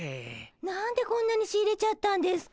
何でこんなに仕入れちゃったんですか？